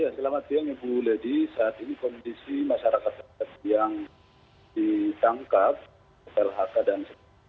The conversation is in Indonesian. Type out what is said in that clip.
selamat siang ibu lady saat ini kondisi masyarakat yang ditangkap lhk dan sebagainya